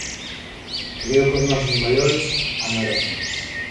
Creo que os nosos maiores a merecen.